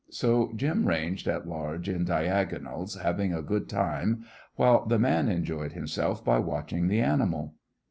So Jim ranged at large in diagonals having a good time, while the man enjoyed himself by watching the animal.